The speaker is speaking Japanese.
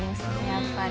やっぱり。